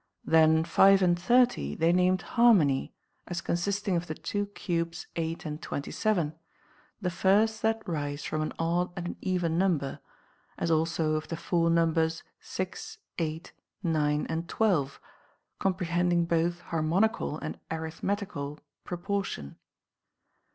Then five and thirty they named harmony, as consisting of the two cubes eight and twenty seven, the first that rise from an odd and an even number, as also of the four num bers, six, eight, nine, and twelve, comprehending both har monical and arithmetical proportion.